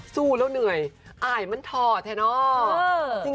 สู้แล้วเหนื่อยอ่ายมันถอดเนอะ